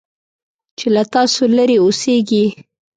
چې له تاسو لرې اوسيږي .